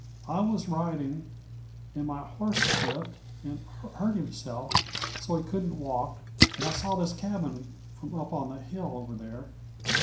"I was riding, and my horse slipped and hurt himself so he couldn't walk, and I saw this cabin from up on the hill over there.